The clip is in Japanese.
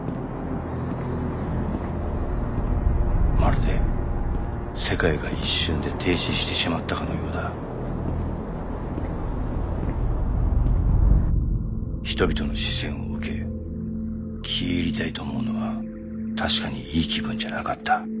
まるで世界が一瞬で停止してしまったかのようだ人々の視線を受け消え入りたいと思うのは確かにいい気分じゃなかった。